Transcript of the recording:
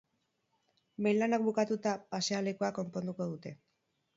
Behin lanak bukatuta, pasealekua konponduko dute.